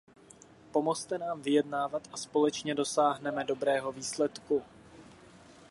Pomozte nám vyjednávat a společně dosáhneme dobrého výsledku.